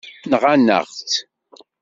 Nɣan-aɣ-tt.